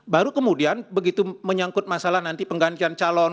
baru kemudian begitu menyangkut masalah nanti penggantian calon